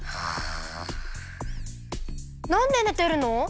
なんでねてるの？